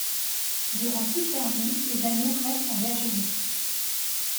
Durant toute leur vie, les agneaux restent en bergerie.